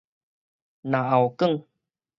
嚨喉管